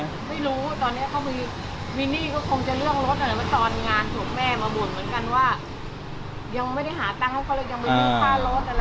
ไม่รู้ตอนนี้เขามีมีหนี้ก็คงจะเรื่องรถแต่ว่าตอนงานถูกแม่มาบ่นเหมือนกันว่า